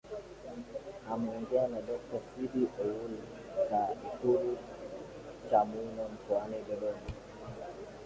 Ameongea na Dokta Sidi Ould Tah Ikulu Chamwino mkoani Dodoma